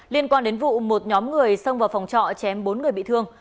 liên quan đến vụ một nhóm người xông vào phòng trọ chém bốn người bị thương